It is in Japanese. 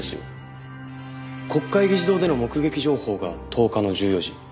国会議事堂での目撃情報が１０日の１４時。